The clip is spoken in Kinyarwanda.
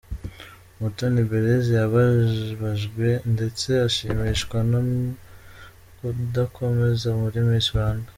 Umutoni Belise yababajwe ndetse ashimishwa no kudakomeza muri Miss Rwanda.